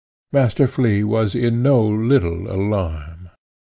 Master Flea was in no little alarm.